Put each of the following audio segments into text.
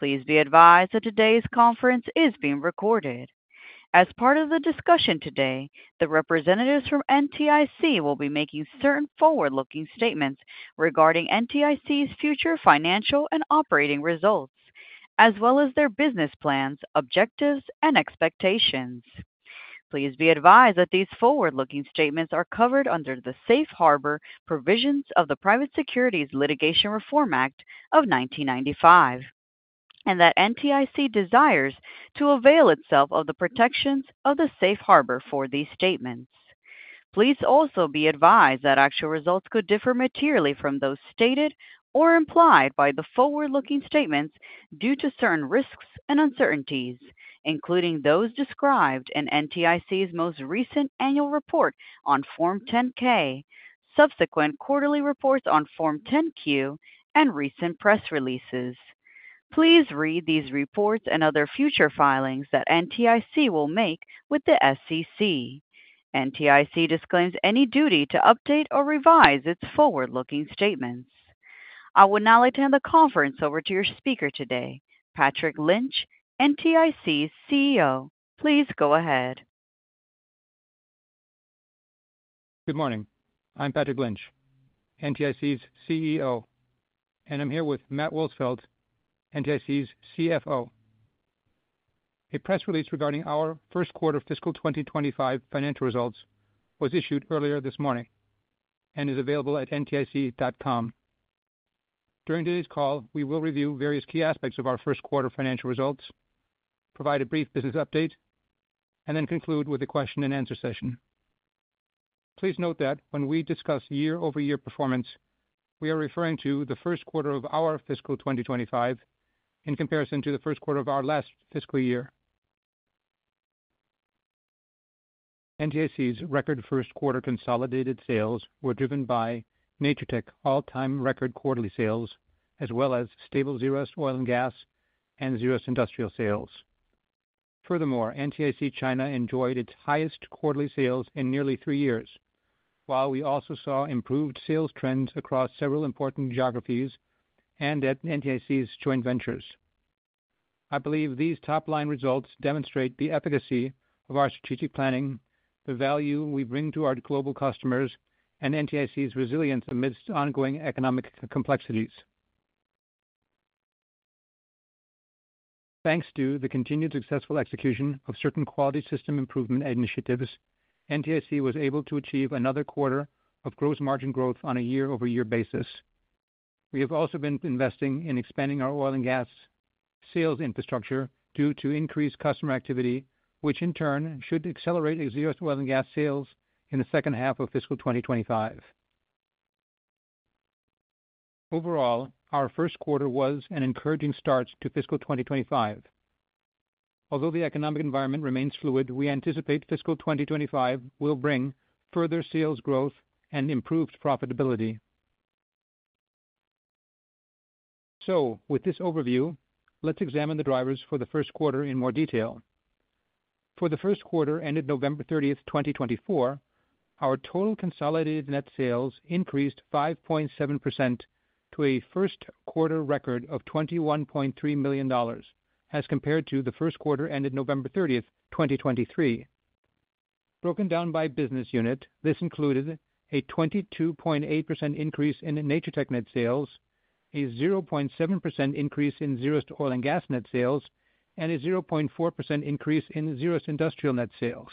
Please be advised that today's conference is being recorded. As part of the discussion today, the representatives from NTIC will be making certain forward-looking statements regarding NTIC's future financial and operating results, as well as their business plans, objectives, and expectations. Please be advised that these forward-looking statements are covered under the Safe Harbor Provisions of the Private Securities Litigation Reform Act of 1995, and that NTIC desires to avail itself of the protections of the Safe Harbor for these statements. Please also be advised that actual results could differ materially from those stated or implied by the forward-looking statements due to certain risks and uncertainties, including those described in NTIC's most recent annual report on Form 10-K, subsequent quarterly reports on Form 10-Q, and recent press releases. Please read these reports and other future filings that NTIC will make with the SEC. NTIC disclaims any duty to update or revise its forward-looking statements. I will now extend the conference over to your speaker today, Patrick Lynch, NTIC's CEO. Please go ahead. Good morning. I'm Patrick Lynch, NTIC's CEO, and I'm here with Matt Wolsfeld, NTIC's CFO. A press release regarding our first quarter fiscal 2025 financial results was issued earlier this morning and is available at ntic.com. During today's call, we will review various key aspects of our Q1 financial results, provide a brief business update, and then conclude with a question-and-answer session. Please note that when we discuss year-over-year performance, we are referring to the Q1 of our fiscal 2025 in comparison to the Q1 of our last fiscal year. NTIC's record Q1 consolidated sales were driven by Natur-Tec all-time record quarterly sales, as well as stable Zerust oil and gas and Zerust industrial sales. Furthermore, NTIC China enjoyed its highest quarterly sales in nearly three years, while we also saw improved sales trends across several important geographies and at NTIC's joint ventures. I believe these top-line results demonstrate the efficacy of our strategic planning, the value we bring to our global customers, and NTIC's resilience amidst ongoing economic complexities. Thanks to the continued successful execution of certain quality system improvement initiatives, NTIC was able to achieve another quarter of gross margin growth on a year-over-year basis. We have also been investing in expanding our oil and gas sales infrastructure due to increased customer activity, which in turn should accelerate Zerust oil and gas sales in the second half of fiscal 2025. Overall, our first quarter was an encouraging start to fiscal 2025. Although the economic environment remains fluid, we anticipate fiscal 2025 will bring further sales growth and improved profitability. So, with this overview, let's examine the drivers for the first quarter in more detail. For the first quarter ended November 30th, 2024, our total consolidated net sales increased 5.7% to a Q1 record of $21.3 million as compared to the first quarter ended November 30th, 2023. Broken down by business unit, this included a 22.8% increase in Natur-Tec net sales, a 0.7% increase in Zerust oil and gas net sales, and a 0.4% increase in Zerust industrial net sales.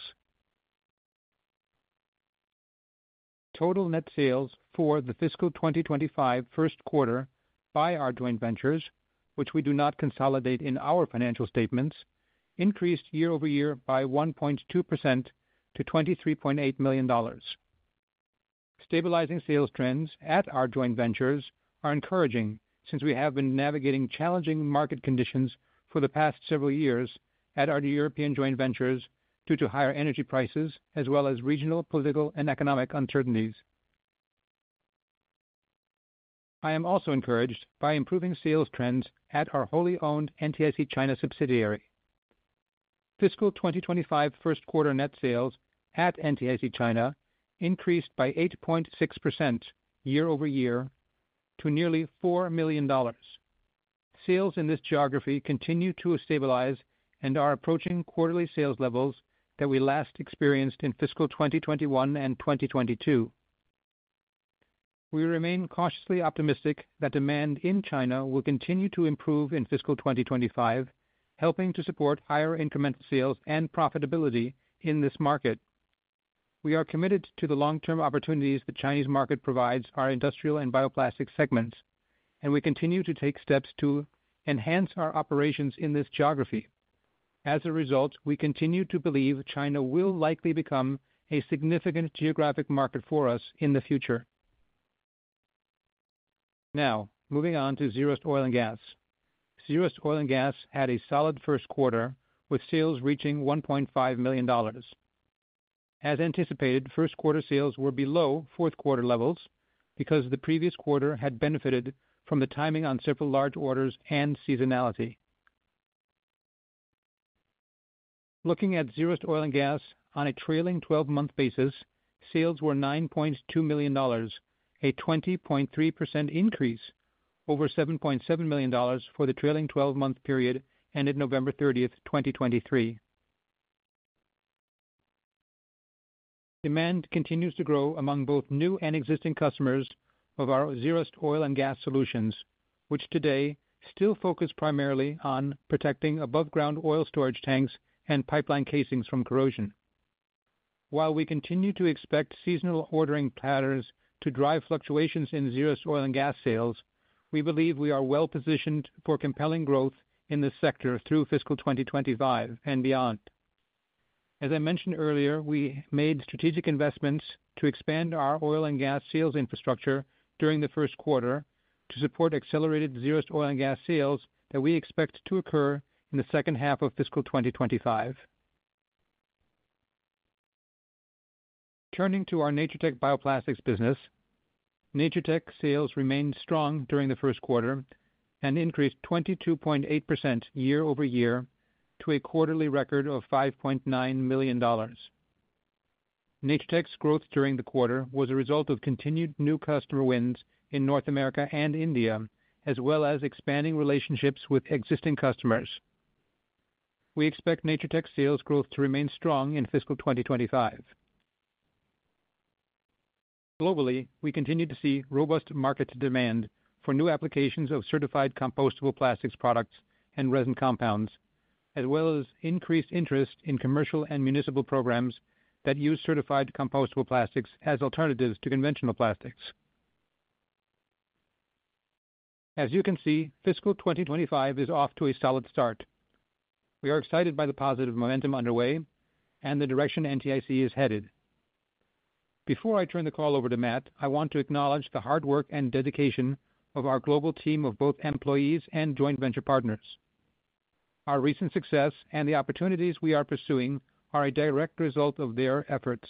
Total net sales for the fiscal 2025 first quarter by our joint ventures, which we do not consolidate in our financial statements, increased year-over-year by 1.2% to $23.8 million. Stabilizing sales trends at our joint ventures are encouraging since we have been navigating challenging market conditions for the past several years at our European joint ventures due to higher energy prices, as well as regional, political, and economic uncertainties. I am also encouraged by improving sales trends at our wholly owned NTIC China subsidiary. Fiscal 2025 first quarter net sales at NTIC China increased by 8.6% year-over-year to nearly $4 million. Sales in this geography continue to stabilize and are approaching quarterly sales levels that we last experienced in fiscal 2021 and 2022. We remain cautiously optimistic that demand in China will continue to improve in fiscal 2025, helping to support higher incremental sales and profitability in this market. We are committed to the long-term opportunities the Chinese market provides our industrial and bioplastic segments, and we continue to take steps to enhance our operations in this geography. As a result, we continue to believe China will likely become a significant geographic market for us in the future. Now, moving on to Zerust oil and gas. Zerust oil and gas had a solid first quarter with sales reaching $1.5 million. As anticipated, Q1 sales were below fourth quarter levels because the previous quarter had benefited from the timing on several large orders and seasonality. Looking at Zerust oil and gas on a trailing 12-month basis, sales were $9.2 million, a 20.3% increase over $7.7 million for the trailing 12-month period ended November 30th, 2023. Demand continues to grow among both new and existing customers of our Zerust oil and gas solutions, which today still focus primarily on protecting above-ground oil storage tanks and pipeline casings from corrosion. While we continue to expect seasonal ordering patterns to drive fluctuations in Zerust oil and gas sales, we believe we are well-positioned for compelling growth in this sector through fiscal 2025 and beyond. As I mentioned earlier, we made strategic investments to expand our oil and gas sales infrastructure during the first quarter to support accelerated Zerust oil and gas sales that we expect to occur in the second half of fiscal 2025. Turning to our Natur-Tec bioplastics business, Natur-Tec sales remained strong during the first quarter and increased 22.8% year-over-year to a quarterly record of $5.9 million. Natur-Tec's growth during the quarter was a result of continued new customer wins in North America and India, as well as expanding relationships with existing customers. We expect Natur-Tec sales growth to remain strong in fiscal 2025. Globally, we continue to see robust market demand for new applications of certified compostable plastics products and resin compounds, as well as increased interest in commercial and municipal programs that use certified compostable plastics as alternatives to conventional plastics. As you can see, fiscal 2025 is off to a solid start. We are excited by the positive momentum underway and the direction NTIC is headed. Before I turn the call over to Matt, I want to acknowledge the hard work and dedication of our global team of both employees and joint venture partners. Our recent success and the opportunities we are pursuing are a direct result of their efforts.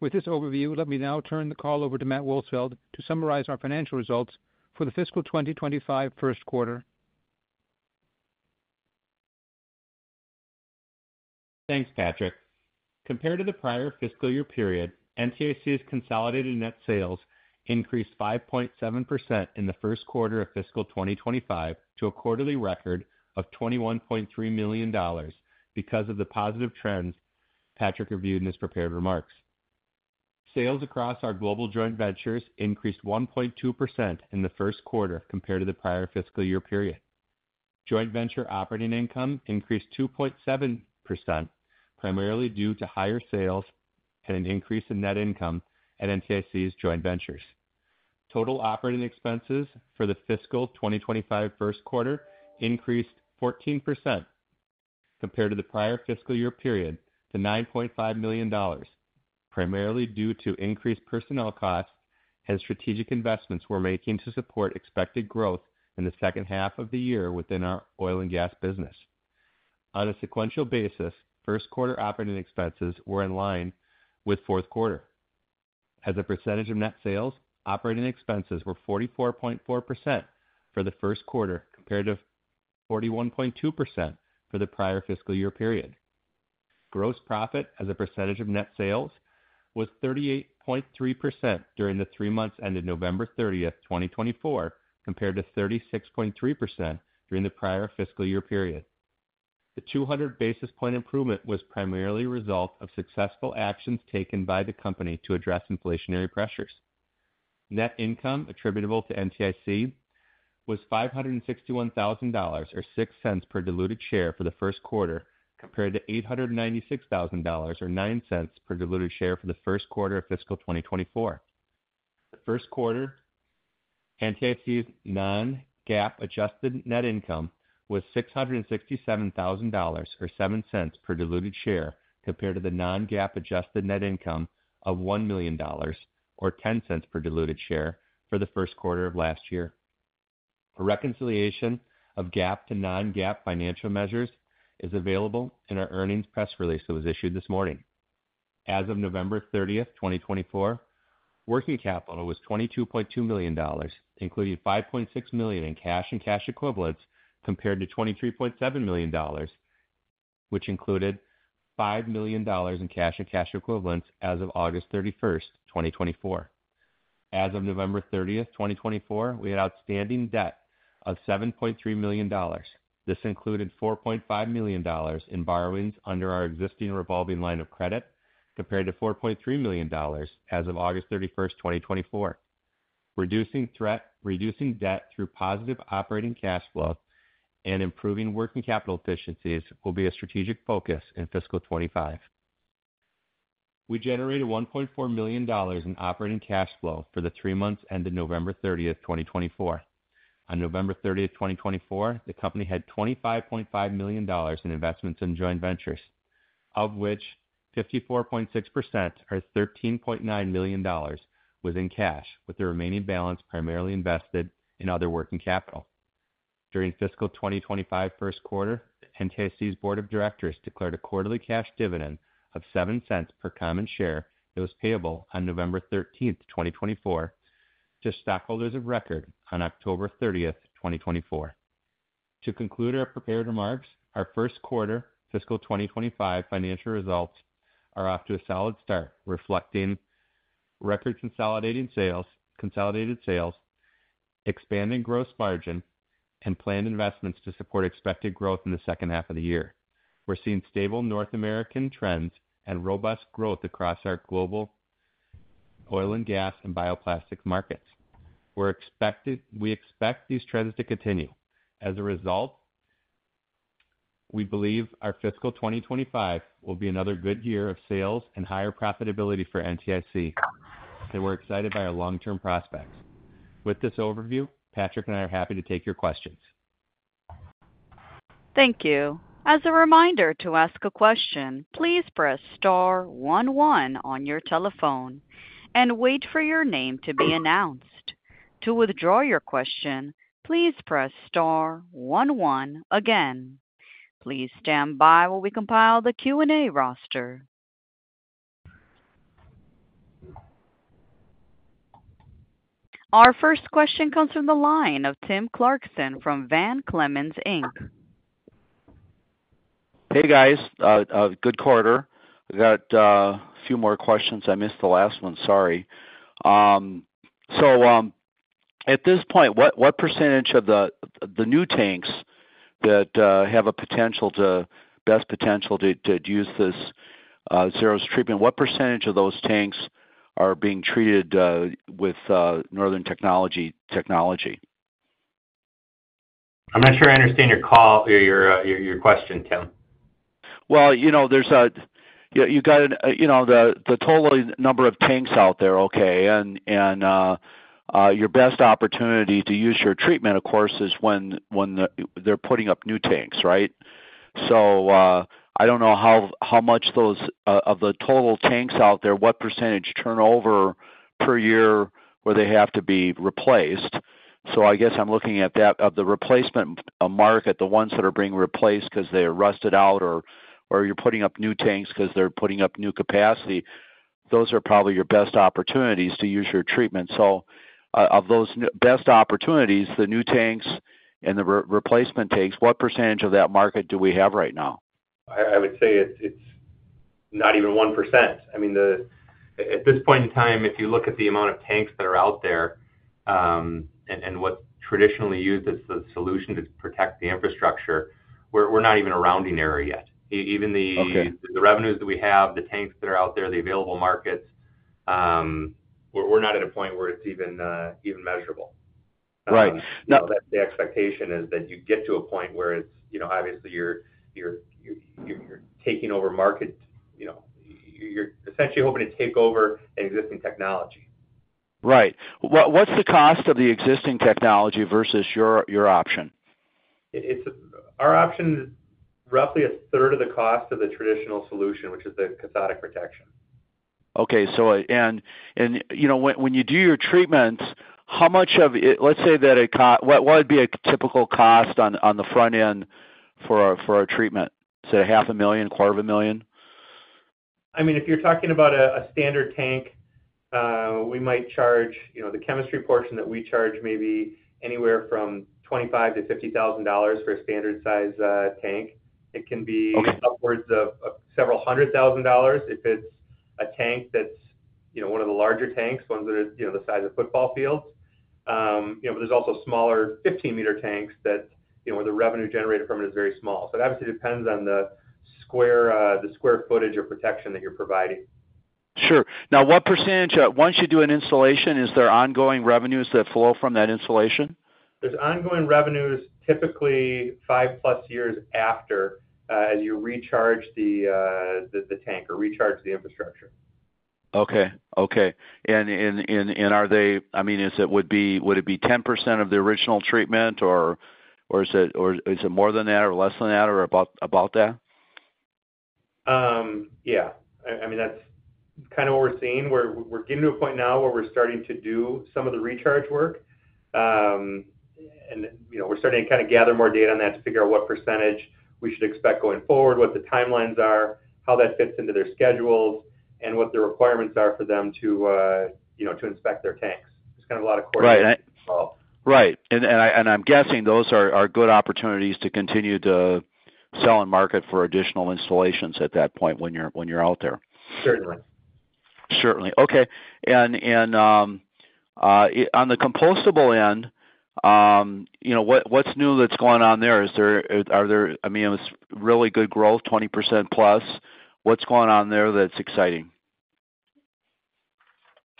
With this overview, let me now turn the call over to Matt Wolsfeld to summarize our financial results for the fiscal 2025 Q1. Thanks, Patrick. Compared to the prior fiscal year period, NTIC's consolidated net sales increased 5.7% in the Q1 of fiscal 2025 to a quarterly record of $21.3 million because of the positive trends Patrick reviewed in his prepared remarks. Sales across our global joint ventures increased 1.2% in the Q1 compared to the prior fiscal year period. Joint venture operating income increased 2.7%, primarily due to higher sales and an increase in net income at NTIC's joint ventures. Total operating expenses for the fiscal 2025 first quarter increased 14% compared to the prior fiscal year period to $9.5 million, primarily due to increased personnel costs and strategic investments we're making to support expected growth in the second half of the year within our oil and gas business. On a sequential basis, Q1 operating expenses were in line with Q4. As a percentage of net sales, operating expenses were 44.4% for the Q1 compared to 41.2% for the prior fiscal year period. Gross profit as a percentage of net sales was 38.3% during the three months ended November 30th, 2024, compared to 36.3% during the prior fiscal year period. The 200 basis point improvement was primarily a result of successful actions taken by the company to address inflationary pressures. Net income attributable to NTIC was $561,000, $0.06 per diluted share for the first quarter, compared to $896,000, $0.09 per diluted share for the Q1 of fiscal 2024. For the Q1, NTIC's non-GAAP adjusted net income was $667,000, $0.07 per diluted share, compared to the non-GAAP adjusted net income of $1,000,000, $0.10 per diluted share for the Q1 of last year. A reconciliation of GAAP to non-GAAP financial measures is available in our earnings press release that was issued this morning. As of November 30th, 2024, working capital was $22.2 million, including $5.6 million in cash and cash equivalents, compared to $23.7 million, which included $5 million in cash and cash equivalents as of August 31st, 2024. As of November 30th, 2024, we had outstanding debt of $7.3 million. This included $4.5 million in borrowings under our existing revolving line of credit, compared to $4.3 million as of August 31st, 2024. Reducing debt, reducing debt through positive operating cash flow, and improving working capital efficiencies will be a strategic focus in fiscal 2025. We generated $1.4 million in operating cash flow for the three months ended November 30th, 2024. On November 30th, 2024, the company had $25.5 million in investments in joint ventures, of which 54.6% or $13.9 million was in cash, with the remaining balance primarily invested in other working capital. During fiscal 2025 first quarter, NTIC's board of directors declared a quarterly cash dividend of $0.07 per common share that was payable on November 13th, 2024, to stockholders of record on October 30th, 2024. To conclude our prepared remarks, our first quarter fiscal 2025 financial results are off to a solid start, reflecting record consolidating sales, consolidated sales, expanding gross margin, and planned investments to support expected growth in the second half of the year. We're seeing stable North American trends and robust growth across our global oil and gas and bioplastics markets. We expect these trends to continue. As a result, we believe our fiscal 2025 will be another good year of sales and higher profitability for NTIC, and we're excited by our long-term prospects. With this overview, Patrick and I are happy to take your questions. Thank you. As a reminder to ask a question, please press star 11 on your telephone and wait for your name to be announced. To withdraw your question, please press star 11 again. Please stand by while we compile the Q&A roster. Our first question comes from the line of Tim Clarkson from Van Clemens & Co. Inc. Hey, guys. Good quarter. I got a few more questions. I missed the last one, sorry. So at this point, what percentage of the new tanks that have a potential, best potential to use this Zerust treatment, what percentage of those tanks are being treated with Northern Technologies? I'm not sure I understand your question, Tim. Well, you got the total number of tanks out there, okay? And your best opportunity to use your treatment, of course, is when they're putting up new tanks, right? I don't know how much of the total tanks out there, what percentage turnover per year where they have to be replaced. I guess I'm looking at that of the replacement market, the ones that are being replaced because they are rusted out or you're putting up new tanks because they're putting up new capacity. Those are probably your best opportunities to use your treatment. Of those best opportunities, the new tanks and the replacement tanks, what percentage of that market do we have right now? I would say it's not even 1%. I mean, at this point in time, if you look at the amount of tanks that are out there and what's traditionally used as the solution to protect the infrastructure, we're not even a rounding error yet. Even the revenues that we have, the tanks that are out there, the available markets, we're not at a point where it's even measurable. Right. Now, the expectation is that you get to a point where it's obviously you're taking over market. You're essentially hoping to take over existing technology. Right. What's the cost of the existing technology versus your option? Our option is roughly a third of the cost of the traditional solution, which is the cathodic protection. Okay. And when you do your treatments, how much of it, let's say that it cost, what would be a typical cost on the front end for our treatment? Say $500,000, $250,000? I mean, if you're talking about a standard tank, we might charge the chemistry portion that we charge maybe anywhere from $25,000 to $50,000 for a standard-sized tank. It can be upwards of several hundred thousand dollars if it's a tank that's one of the larger tanks, ones that are the size of football fields. But there's also smaller 15-meter tanks where the revenue generated from it is very small. So it obviously depends on the square footage of protection that you're providing. Sure. Now, what percentage, once you do an installation, is there ongoing revenues that flow from that installation? There's ongoing revenues typically five-plus years after as you recharge the tank or recharge the infrastructure. Okay. Okay. And are they, I mean, would it be 10% of the original treatment, or is it more than that or less than that or about that? Yeah. I mean, that's kind of what we're seeing. We're getting to a point now where we're starting to do some of the recharge work. And we're starting to kind of gather more data on that to figure out what percentage we should expect going forward, what the timelines are, how that fits into their schedules, and what the requirements are for them to inspect their tanks. There's kind of a lot of questions. Right. And I'm guessing those are good opportunities to continue to sell and market for additional installations at that point when you're out there. Certainly. Certainly. Okay. And on the compostable end, what's new that's going on there? I mean, it's really good growth, 20% plus. What's going on there that's exciting?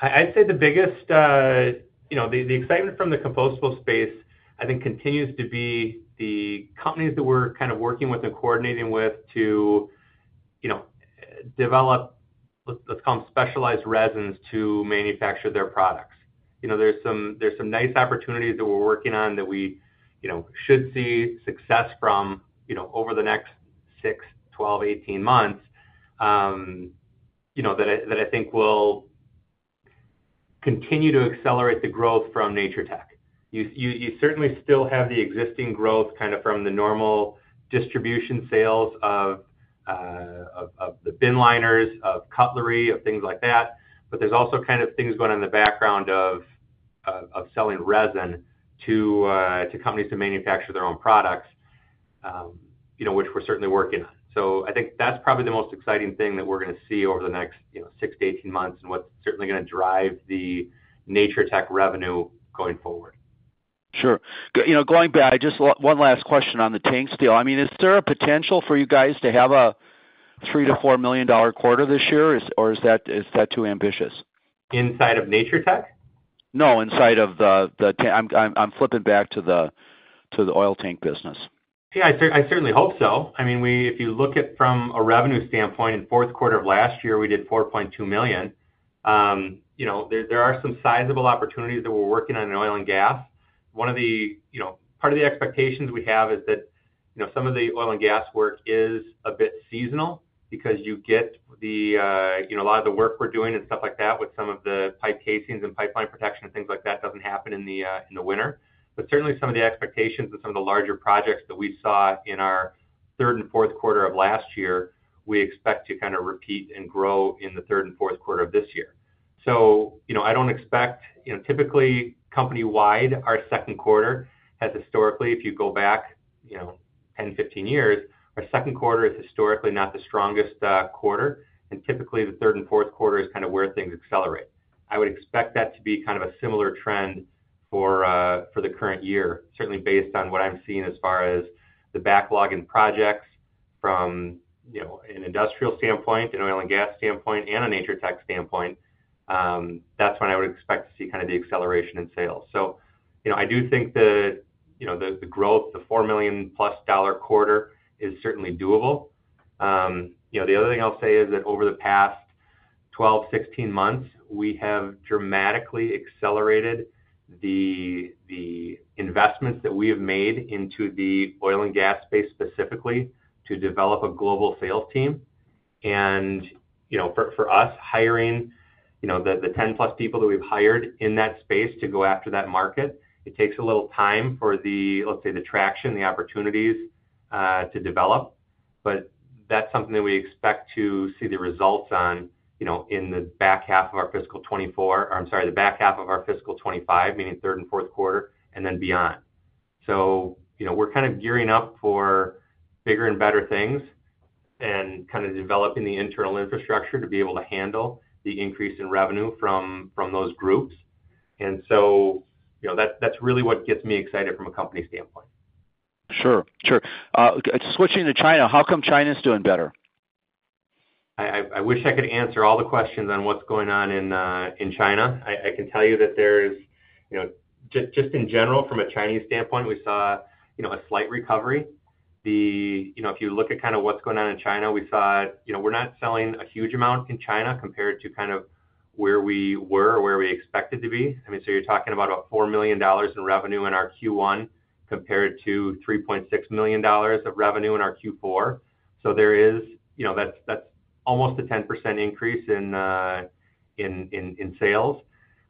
I'd say the biggest, the excitement from the compostable space, I think, continues to be the companies that we're kind of working with and coordinating with to develop, let's call them specialized resins to manufacture their products. There's some nice opportunities that we're working on that we should see success from over the next six, 12, 18 months that I think will continue to accelerate the growth from Natur-Tec. You certainly still have the existing growth kind of from the normal distribution sales of the bin liners, of cutlery, of things like that. But there's also kind of things going on in the background of selling resin to companies to manufacture their own products, which we're certainly working on. I think that's probably the most exciting thing that we're going to see over the next six to 18 months and what's certainly going to drive the Natur-Tec revenue going forward. Sure. Going back, just one last question on the tank still. I mean, is there a potential for you guys to have a $3 million-$4 million quarter this year, or is that too ambitious? Inside of Natur-Tec? No, inside of the - I'm flipping back to the oil tank business. Yeah, I certainly hope so. I mean, if you look at from a revenue standpoint, in fourth quarter of last year, we did $4.2 million. There are some sizable opportunities that we're working on in oil and gas. Part of the expectations we have is that some of the oil and gas work is a bit seasonal because you get a lot of the work we're doing and stuff like that with some of the pipe casings and pipeline protection and things like that doesn't happen in the winter. But certainly, some of the expectations and some of the larger projects that we saw in our third and fourth quarter of last year, we expect to kind of repeat and grow in the Q3 and Q4 of this year. So I don't expect typically, company-wide, our second quarter has historically, if you go back 10, 15 years, our second quarter is historically not the strongest quarter. And typically, the third and fourth quarter is kind of where things accelerate. I would expect that to be kind of a similar trend for the current year, certainly based on what I'm seeing as far as the backlog in projects from an industrial standpoint, an oil and gas standpoint, and a Natur-Tec standpoint. That's when I would expect to see kind of the acceleration in sales. So I do think that the growth, the $4 million-plus quarter is certainly doable. The other thing I'll say is that over the past 12, 16 months, we have dramatically accelerated the investments that we have made into the oil and gas space specifically to develop a global sales team. For us, hiring the 10-plus people that we've hired in that space to go after that market, it takes a little time for the, let's say, the traction, the opportunities to develop. But that's something that we expect to see the results on in the back half of our fiscal 2024, or I'm sorry, the back half of our fiscal 2025, meaning third and fourth quarter, and then beyond. So we're kind of gearing up for bigger and better things and kind of developing the internal infrastructure to be able to handle the increase in revenue from those groups. And so that's really what gets me excited from a company standpoint. Sure. Sure. Switching to China, how come China's doing better? I wish I could answer all the questions on what's going on in China. I can tell you that there is, just in general, from a Chinese standpoint, we saw a slight recovery. If you look at kind of what's going on in China, we saw we're not selling a huge amount in China compared to kind of where we were or where we expected to be. I mean, so you're talking about $4 million in revenue in our Q1 compared to $3.6 million of revenue in our Q4. So there is that's almost a 10% increase in sales.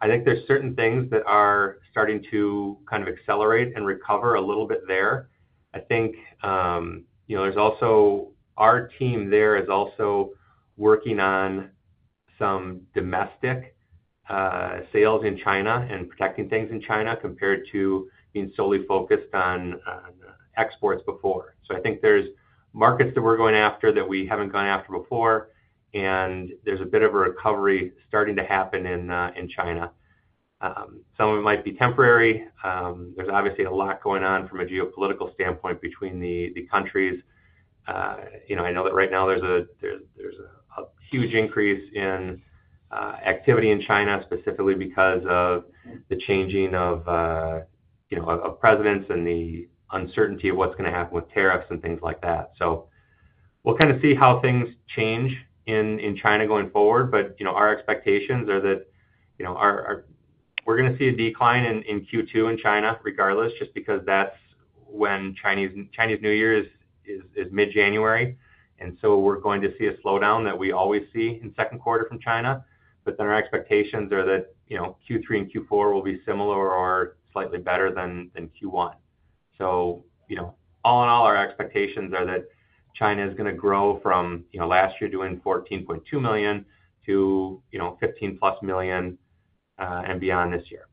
I think there's certain things that are starting to kind of accelerate and recover a little bit there. I think there's also our team there is also working on some domestic sales in China and protecting things in China compared to being solely focused on exports before. I think there's markets that we're going after that we haven't gone after before. There's a bit of a recovery starting to happen in China. Some of it might be temporary. There's obviously a lot going on from a geopolitical standpoint between the countries. I know that right now there's a huge increase in activity in China, specifically because of the changing of presidents and the uncertainty of what's going to happen with tariffs and things like that. We'll kind of see how things change in China going forward. Our expectations are that we're going to see a decline in Q2 in China regardless, just because that's when Chinese New Year is mid-January. We're going to see a slowdown that we always see in second quarter from China. But then our expectations are that Q3 and Q4 will be similar or slightly better than Q1. So all in all, our expectations are that China is going to grow from last year doing $14.2 million to +$15 million and beyond this year.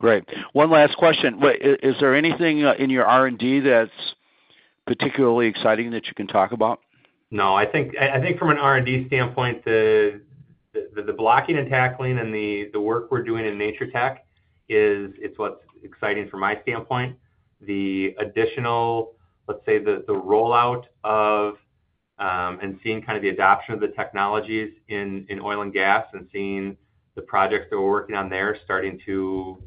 Great. One last question. Is there anything in your R&D that's particularly exciting that you can talk about? No. I think from an R&D standpoint, the blocking and tackling and the work we're doing in Natur-Tec is what's exciting from my standpoint. The additional, let's say, the rollout of and seeing kind of the adoption of the technologies in oil and gas and seeing the projects that we're working on there starting to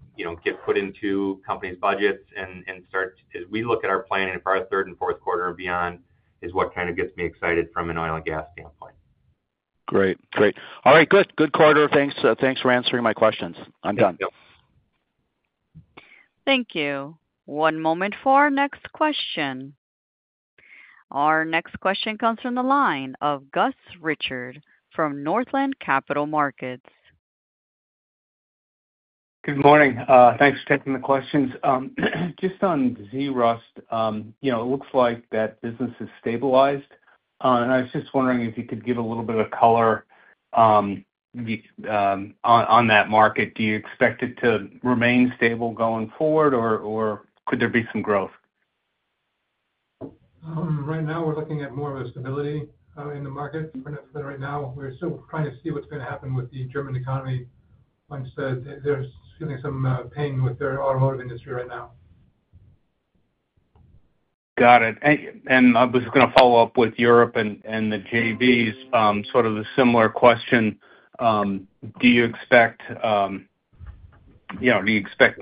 get put into companies' budgets and start, as we look at our planning for our third and fourth quarter and beyond, is what kind of gets me excited from an oil and gas standpoint. Great. Great. All right. Good quarter. Thanks for answering my questions. I'm done. Thank you. Thank you. One moment for our next question. Our next question comes from the line of Gus Richard from Northland Capital Markets. Good morning. Thanks for taking the questions. Just on Zerust, it looks like that business has stabilized. And I was just wondering if you could give a little bit of color on that market. Do you expect it to remain stable going forward, or could there be some growth? Right now, we're looking at more of a stability in the market. For now, we're still trying to see what's going to happen with the German economy once they're feeling some pain with their automotive industry right now. Got it. And I was going to follow up with Europe and the JVs, sort of a similar question. Do you expect, do you expect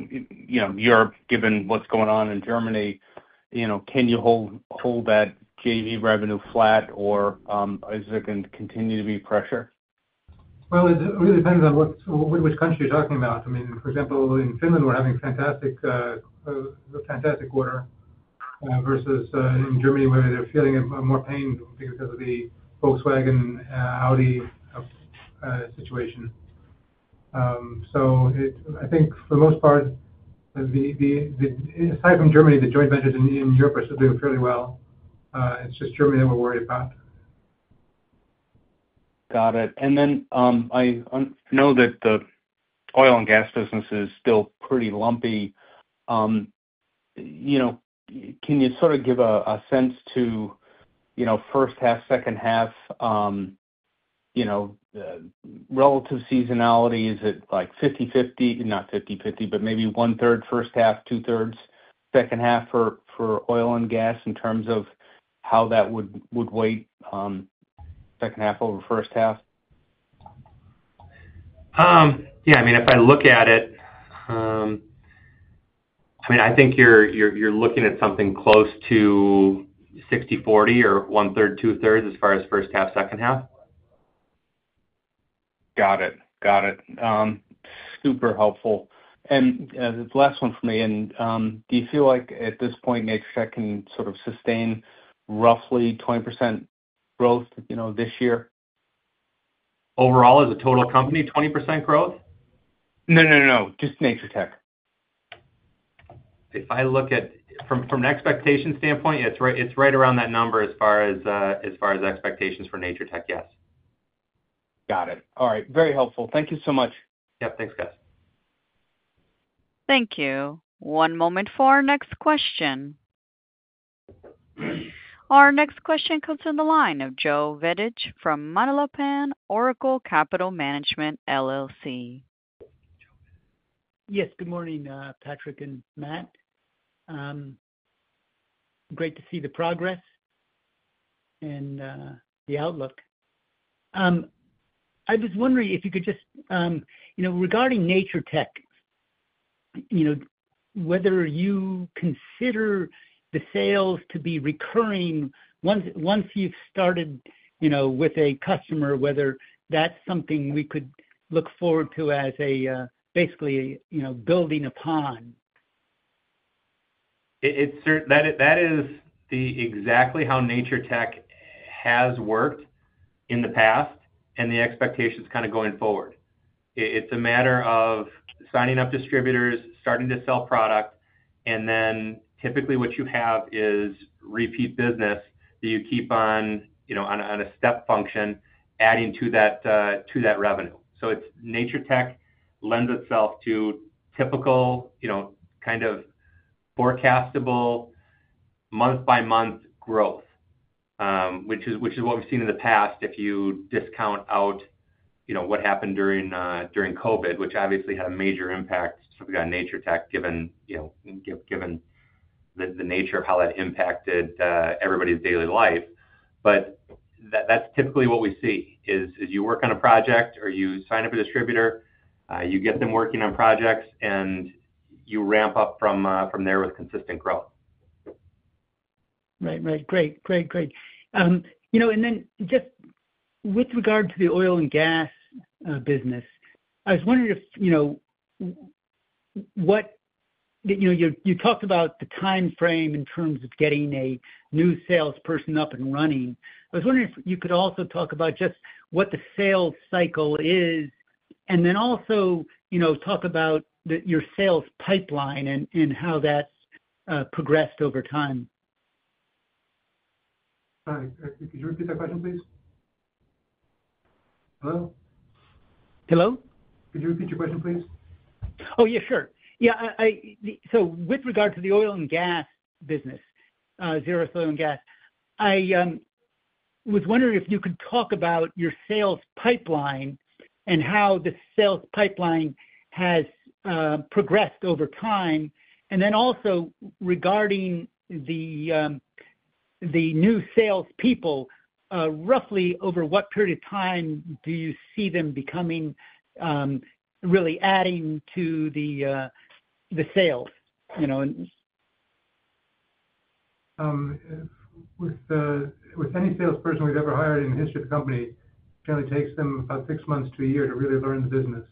Europe, given what's going on in Germany, can you hold that JV revenue flat, or is there going to continue to be pressure? It really depends on which country you're talking about. I mean, for example, in Finland, we're having a fantastic quarter versus in Germany, where they're feeling more pain because of the Volkswagen-Audi situation. So I think for the most part, aside from Germany, the joint ventures in Europe are still doing fairly well. It's just Germany that we're worried about. Got it. And then I know that the oil and gas business is still pretty lumpy. Can you sort of give a sense to first half, second half, relative seasonality? Is it like 50/50? Not 50/50, but maybe one-third first half, two-thirds second half for oil and gas in terms of how that would weight second half over first half? Yeah. I mean, if I look at it, I mean, I think you're looking at something close to 60/40 or one-third, two-thirds as far as first half, second half. Got it. Got it. Super helpful. And the last one for me, and do you feel like at this point, Natur-Tec can sort of sustain roughly 20% growth this year? Overall, as a total company, 20% growth? No, no, no. Just Natur-Tec. If I look at from an expectation standpoint, it's right around that number as far as expectations for Natur-Tec, yes. Got it. All right. Very helpful. Thank you so much. Yep. Thanks, guys. Thank you. One moment for our next question. Our next question comes from the line of Joe Vidich from Manalapan Oracle Capital Management, LLC. Yes. Good morning, Patrick and Matt. Great to see the progress and the outlook. I was wondering if you could just, regarding Natur-Tec, whether you consider the sales to be recurring once you've started with a customer, whether that's something we could look forward to as basically building upon? That is exactly how Natur-Tec has worked in the past and the expectations kind of going forward. It's a matter of signing up distributors, starting to sell product, and then typically what you have is repeat business that you keep on a step function adding to that revenue. So Natur-Tec lends itself to typical kind of forecastable month-by-month growth, which is what we've seen in the past if you discount out what happened during COVID, which obviously had a major impact on Natur-Tec given the nature of how that impacted everybody's daily life. But that's typically what we see is you work on a project or you sign up a distributor, you get them working on projects, and you ramp up from there with consistent growth. Right. Great. And then just with regard to the oil and gas business, I was wondering if what you talked about the timeframe in terms of getting a new salesperson up and running? I was wondering if you could also talk about just what the sales cycle is and then also talk about your sales pipeline and how that's progressed over time? Hi. Could you repeat that question, please? Hello? Hello? Could you repeat your question, please? Oh, yeah. Sure. Yeah. So with regard to the oil and gas business, Zerust oil and gas, I was wondering if you could talk about your sales pipeline and how the sales pipeline has progressed over time. And then also regarding the new salespeople, roughly over what period of time do you see them becoming really adding to the sales? With any salesperson we've ever hired in the history of the company, it generally takes them about six months to a year to really learn the business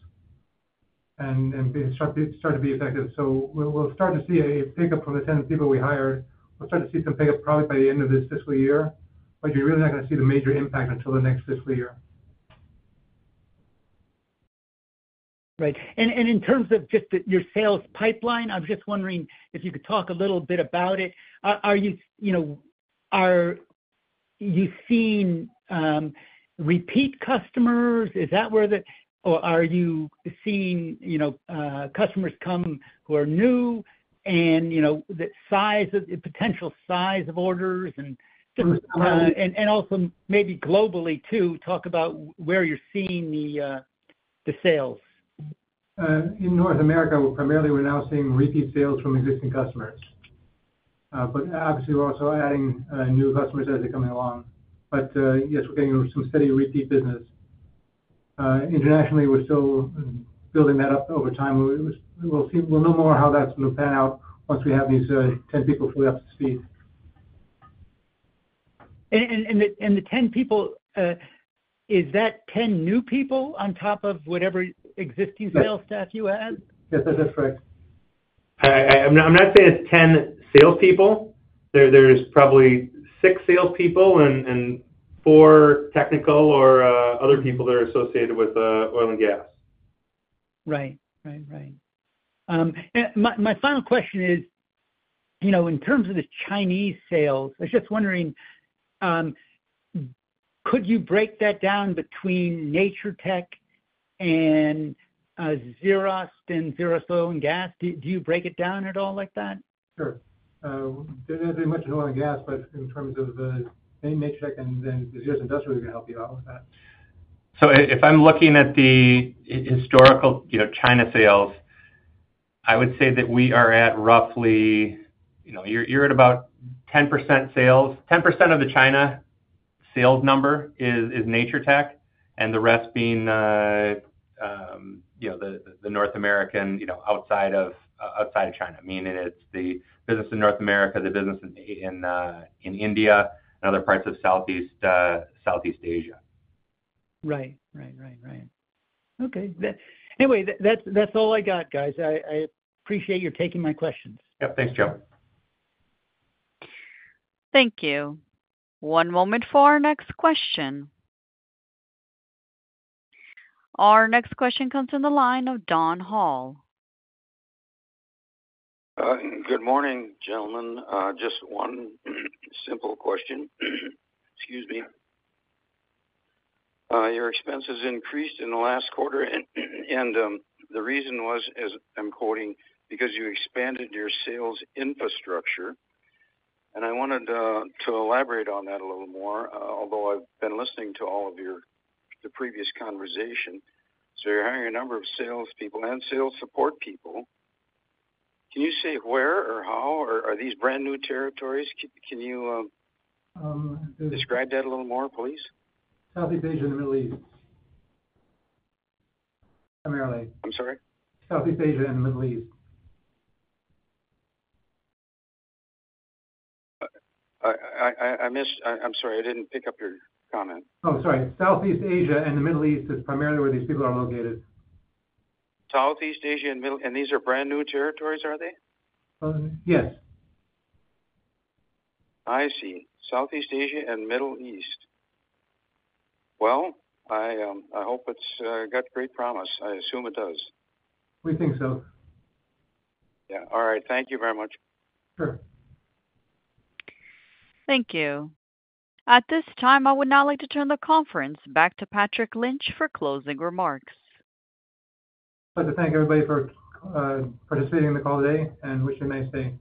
and start to be effective. So we'll start to see a pickup from the 10 people we hired. We'll start to see some pickup probably by the end of this fiscal year. But you're really not going to see the major impact until the next fiscal year. Right and in terms of just your sales pipeline, I was just wondering if you could talk a little bit about it. Are you seeing repeat customers? Is that where the, or are you seeing customers come who are new and the potential size of orders, and also maybe globally too, talk about where you're seeing the sales? In North America, we're primarily now seeing repeat sales from existing customers. But obviously, we're also adding new customers as they're coming along. But yes, we're getting some steady repeat business. Internationally, we're still building that up over time. We'll know more how that's going to pan out once we have these 10 people fully up to speed. The 10 people, is that 10 new people on top of whatever existing sales staff you add? Yes. That's correct. I'm not saying it's 10 salespeople. There's probably six salespeople and four technical or other people that are associated with oil and gas. Right. Right. Right. My final question is, in terms of the Chinese sales, I was just wondering, could you break that down between Natur-Tec and Zerust and Zerust Oil and Gas? Do you break it down at all like that? Sure. They're not doing much in oil and gas, but in terms of Natur-Tec and Zerust Industrial, we can help you out with that. So if I'm looking at the historical China sales, I would say that we are at roughly, you're at about 10% sales. 10% of the China sales number is Natur-Tec and the rest being the North American outside of China, meaning it's the business in North America, the business in India, and other parts of Southeast Asia. Right. Right. Right. Right. Okay. Anyway, that's all I got, guys. I appreciate your taking my questions. Yep. Thanks, Joe. Thank you. One moment for our next question. Our next question comes from the line of Don Hall. Good morning, gentlemen. Just one simple question. Excuse me. Your expenses increased in the last quarter, and the reason was, as I'm quoting, because you expanded your sales infrastructure, and I wanted to elaborate on that a little more, although I've been listening to all of your previous conversation, so you're hiring a number of salespeople and sales support people. Can you say where or how? Are these brand new territories? Can you describe that a little more, please? Southeast Asia and the Middle East, primarily. I'm sorry? Southeast Asia and the Middle East. I missed. I'm sorry. I didn't pick up your comment. Oh, sorry. Southeast Asia and the Middle East is primarily where these people are located. Southeast Asia and Middle East—and these are brand new territories, are they? Yes. I see. Southeast Asia and Middle East. Well, I hope it's got great promise. I assume it does. We think so. Yeah. All right. Thank you very much. Sure. Thank you. At this time, I would now like to turn the conference back to Patrick Lynch for closing remarks. I'd like to thank everybody for participating in the call today and wish you a nice day.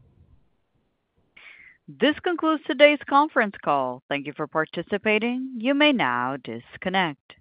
This concludes today's conference call. Thank you for participating. You may now disconnect.